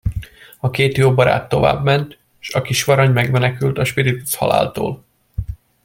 A két jó barát továbbment, s a kisvarangy megmenekült a spirituszhaláltól.